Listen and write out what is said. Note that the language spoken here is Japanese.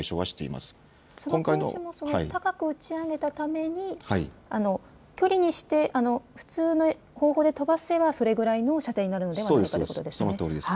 その当時も高く打ち上げたために距離にして普通の方法で飛ばせばそれぐらいの射程になるのではないかということですか。